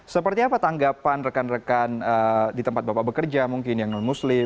seperti apa tanggapan rekan rekan di tempat bapak bekerja mungkin yang non muslim